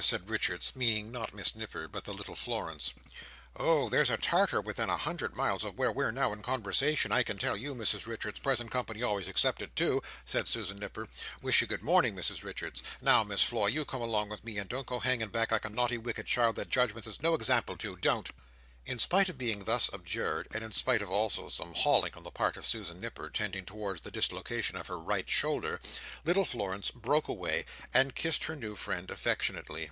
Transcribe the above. said Richards; meaning, not Miss Nipper, but the little Florence. "Oh! there's a Tartar within a hundred miles of where we're now in conversation, I can tell you, Mrs Richards, present company always excepted too," said Susan Nipper; "wish you good morning, Mrs Richards, now Miss Floy, you come along with me, and don't go hanging back like a naughty wicked child that judgments is no example to, don't!" In spite of being thus adjured, and in spite also of some hauling on the part of Susan Nipper, tending towards the dislocation of her right shoulder, little Florence broke away, and kissed her new friend, affectionately.